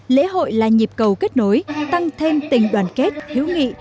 lễ hội là nhịp cầu kết nối tăng thêm tình đoàn kết hữu nghị